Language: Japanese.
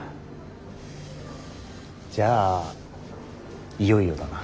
じゃあいよいよだな。